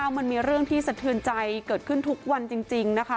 มันมีเรื่องที่สะเทือนใจเกิดขึ้นทุกวันจริงนะคะ